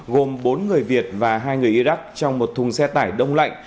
gồm bốn người việt và hai người iraq trong một thùng xe tải đông lạnh